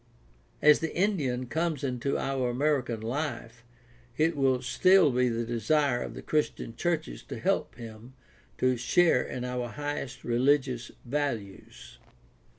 As the Indian comes into our American life it will still be the desire of the Christian churches to help him to share in our highest religious values.